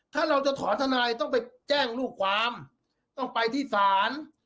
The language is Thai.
ถ้าเราจะถอนทนายต้องไปแจ้งลูกความต้องไปที่ศาล